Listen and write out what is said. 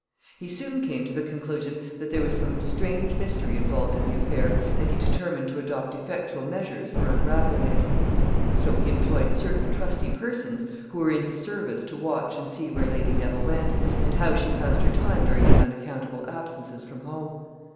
He soon came to the conclusion that there was some strange mystery involved in the affair, and he determined to adopt effectual measures for unraveling it. [Sidenote: His spies.] So he employed certain trusty persons who were in his service to watch and see where Lady Neville went, and how she passed her time during these unaccountable absences from home.